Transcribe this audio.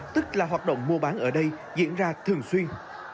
tức là hoạt động mua bán ở đây diễn ra thường xuyên